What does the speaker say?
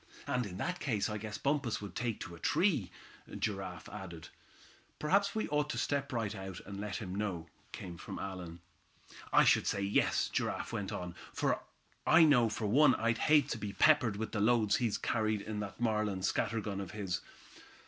"And in that case I guess Bumpus would take to a tree," Giraffe added. "Perhaps we ought to step out right away, and let him know," came from Allan. "I should say, yes," Giraffe went on, "I know for one I'd hate to be peppered with the loads he carries in that Marlin scatter gun of his.